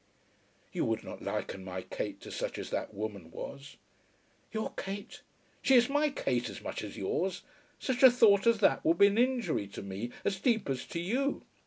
"You would not liken my Kate to such as that woman was?" "Your Kate! She is my Kate as much as yours. Such a thought as that would be an injury to me as deep as to you.